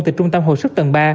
từ trung tâm hồi sức tầng ba